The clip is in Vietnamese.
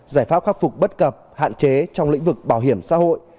giải pháp khắc phục bất cập hạn chế trong lĩnh vực bảo hiểm xã hội